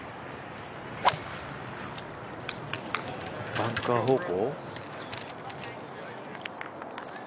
バンカー方向？